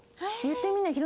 言ってみなよ。